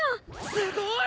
すごい！